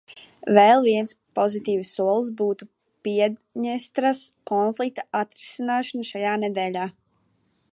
Vēl viens pozitīvs solis būtu Piedņestras konflikta atrisināšana šajā nedēļā.